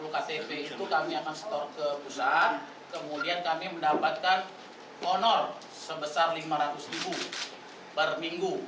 sepuluh ktp itu kami akan store ke pusat kemudian kami mendapatkan honor sebesar lima ratus ribu per minggu